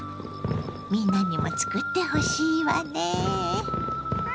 みんなにも作ってほしいわね。